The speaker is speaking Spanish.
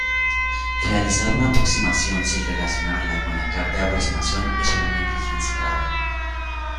Realizar una aproximación sin relacionarla con la carta de aproximación es una negligencia grave.